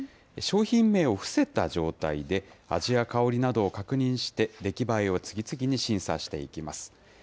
商品名を伏せた状態で、味や香りなどを確認して、出来栄えを次々に審査していきます。